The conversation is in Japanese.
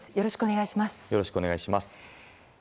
よろしくお願いします。